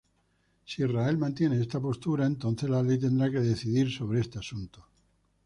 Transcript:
Si Israel mantiene esta postura, entonces la ley tendrá que decidir sobre este asunto.